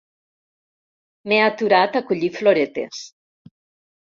M'he aturat a collir floretes.